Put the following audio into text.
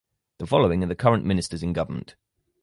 The following are the current ministers in government.